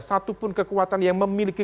satupun kekuatan yang memiliki